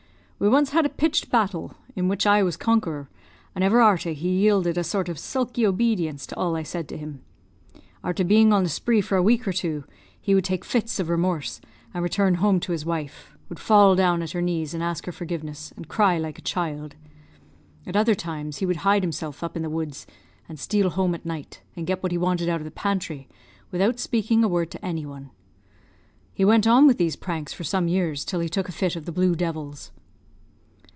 We once had a pitched battle, in which I was conqueror; and ever arter he yielded a sort of sulky obedience to all I said to him. Arter being on the spree for a week or two, he would take fits of remorse, and return home to his wife; would fall down at her knees, and ask her forgiveness, and cry like a child. At other times he would hide himself up in the woods, and steal home at night, and get what he wanted out of the pantry, without speaking a word to any one. He went on with these pranks for some years, till he took a fit of the blue devils.